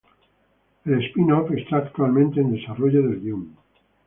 El spin-off está actualmente en desarrollo del guion.